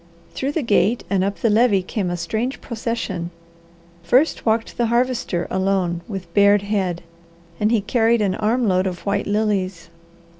Through the gate and up the levee came a strange procession. First walked the Harvester alone, with bared head, and he carried an arm load of white lilies.